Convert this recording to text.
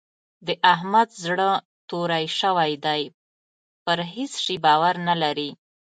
د احمد زړه توری شوی دی؛ پر هيڅ شي باور نه لري.